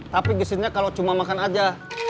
tapi gisinya kalau cuma makan aja